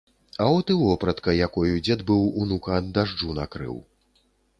А от і вопратка, якою дзед быў унука ад дажджу накрыў.